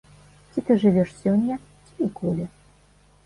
Ці ты жывеш сёння, ці ніколі.